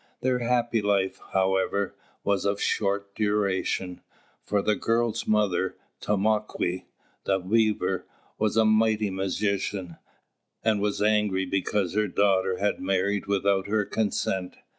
Their happy life, however, was of short duration, for the girl's mother, "Tomāquè," the Beaver, was a mighty magician, and was angry because her daughter had married without her consent.